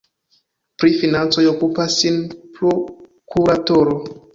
Pri financoj okupas sin prokuratoro.